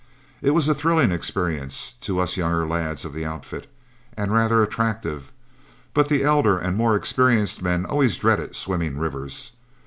It was a thrilling experience to us younger lads of the outfit, and rather attractive; but the elder and more experienced men always dreaded swimming rivers.